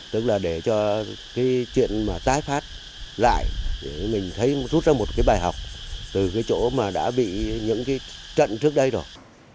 tức là để cho cái chuyện mà tái phát lại mình thấy rút ra một cái bài học từ cái chỗ mà đã bị những cái trận trước đây rồi